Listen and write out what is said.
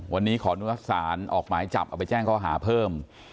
วันนี้ขอรับสารออกหมายจับเอาไปแจ้งเขาหาเพิ่ม